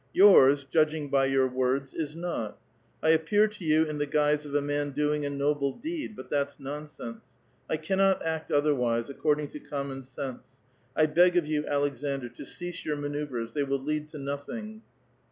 Yours, judging by your ^^^^^ds, is not. I appear to you in the guise of a man doing * ^^^3ble deed. But that's nonsense. 1 cannot act otherwise, ^^^rding to common sense. I beg of you, Aleksandr, to ^^^ «e your manoeuvres ; they will lead to nothing."